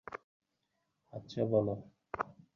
আচ্ছা, বলো।